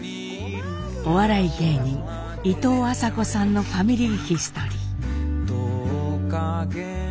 お笑い芸人いとうあさこさんの「ファミリーヒストリー」。